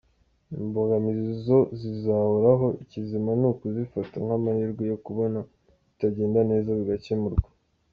Imbogamizi zo zizahoraho ikizima ni ukuzifata nk’amahirwe yo kubona ibitagenda neza bigakemurwa”.